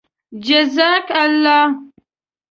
جزاك اللهُ